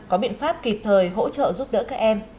có biện pháp kịp thời hỗ trợ giúp đỡ các em